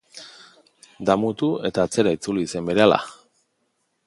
Damutu eta atzera itzuli zen berehala.